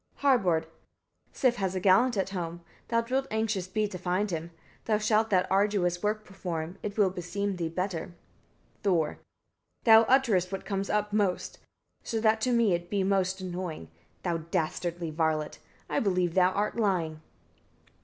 Harbard. 48. Sif has a gallant at home; thou wilt anxious be to find him: thou shalt that arduous work perform; it will beseem thee better. Thor. 49. Thou utterest what comes upmost, so that to me it be most annoying, thou dastardly varlet! I believe thou art lying.